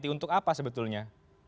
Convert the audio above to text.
untuk apa sebetulnya